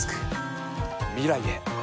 未来へ。